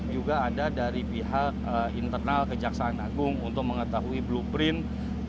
juga ada dari pihak internal kejaksaan agung untuk mengetahui blueprint